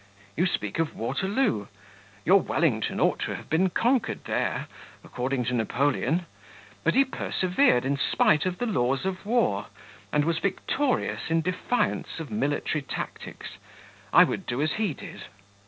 You speak of Waterloo; your Wellington ought to have been conquered there, according to Napoleon; but he persevered in spite of the laws of war, and was victorious in defiance of military tactics. I would do as he did."